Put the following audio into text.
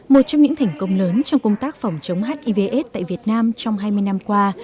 một trong những thành công lớn trong công tác phòng chống hiv aids tại việt nam trong hai mươi năm qua